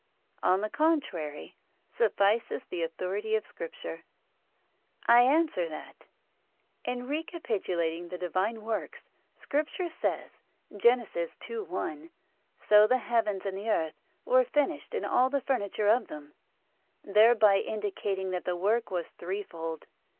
On the contrary, Suffices the authority of Scripture. I answer that, In recapitulating the Divine works, Scripture says (Gen. 2:1): "So the heavens and the earth were finished and all the furniture of them," thereby indicating that the work was threefold.